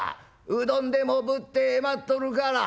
うどんでもぶって待っとるから」。